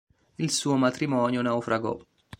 Il suo matrimonio naufragò.